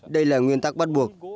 đây là nguyên tắc bắt buộc